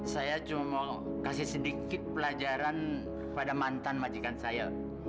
saya cuma mau kasih sedikit pelajaran pada mantan majikan saya